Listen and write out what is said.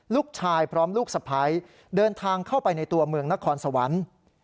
พร้อมลูกสะพ้ายเดินทางเข้าไปในตัวเมืองนครสวรรค์